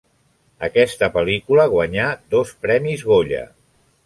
Aquesta pel·lícula guanyà dos Premis Goya.